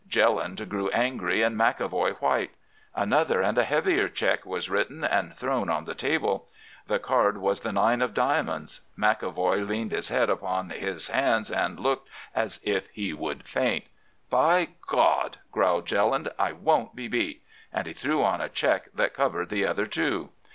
Jelland grew angry, and McEvoy white. Another and a heavier cheque was written and thrown on the table. The card was the nine of diamonds. McEvoy leaned his head upon his hands and looked as if he would faint. 'By God!' growled Jelland, 'I won't be beat,' and he threw on a cheque that covered the other two.